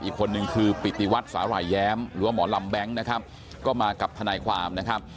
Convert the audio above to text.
อีกคนนึงคือปิติวัตรสาหร่ายแย้มหรือว่าหมอลำแบงค์นะครับก็มากับทนายความนะครับ